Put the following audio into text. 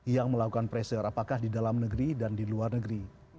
yang melakukan pressure apakah di dalam negeri dan di luar negeri